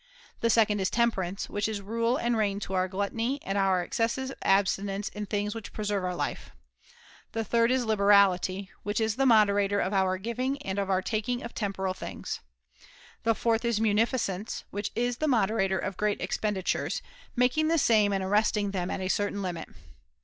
The second is temperance, which is rule and rein to our gluttony and our excessive abstinence in things which preserve our life. The third is liberality, which is the moderator of our giving and of our taking of temporal things. The fourth is munificence, which is the moderator of great expenditures, making the same and arresting them at a certain limit.